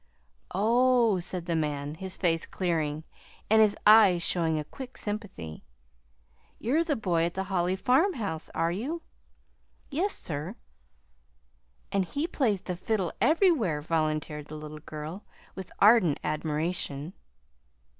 "Oh," said the man, his face clearing, and his eyes showing a quick sympathy. "You're the boy at the Holly farmhouse, are you?" "Yes, sir." "And he plays the fiddle everywhere," volunteered the little girl, with ardent admiration.